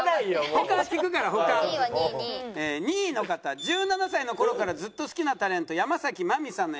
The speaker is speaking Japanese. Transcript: ２位の方１７歳の頃からずっと好きなタレント山崎真実さんのエピソード。